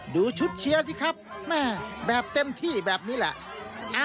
ดูชุดเชียร์สิครับแม่แบบเต็มที่แบบนี้แหละ